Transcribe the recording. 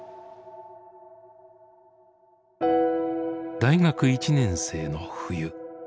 大学１年生の冬。